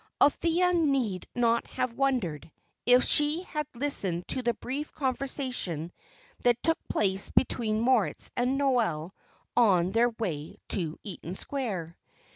Althea need not have wondered if she had listened to the brief conversation that took place between Moritz and Noel on their way to Eaton Square.